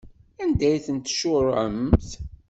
Anda ay tent-tcuṛɛemt?